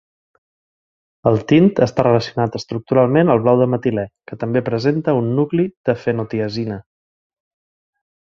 El tint està relacionat estructuralment al blau de metilè, que també presenta un nucli de fenotiazina.